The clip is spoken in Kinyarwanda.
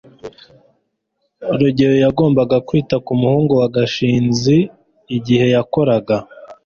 rugeyo yagombaga kwita ku muhungu wa gashinzi igihe yakoraga